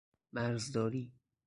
مرزداری